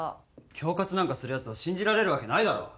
恐喝なんかするやつを信じられるわけないだろ！